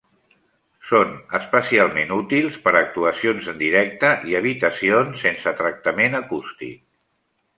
Són especialment útils per a actuacions en directe i habitacions sense tractament acústic.